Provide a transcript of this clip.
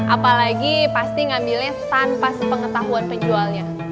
apalagi pasti ngambilnya tanpa sepengetahuan penjualnya